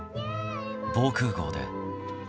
防空壕で。